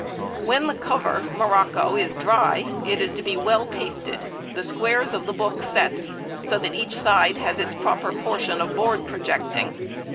When the cover (morocco) is dry, it is to be well pasted, the squares of the book set, so that each side has its proper portion of board projecting.